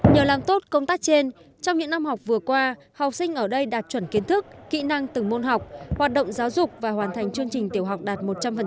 nhờ làm tốt công tác trên trong những năm học vừa qua học sinh ở đây đạt chuẩn kiến thức kỹ năng từng môn học hoạt động giáo dục và hoàn thành chương trình tiểu học đạt một trăm linh